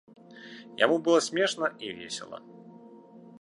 Яму было смешна і весела.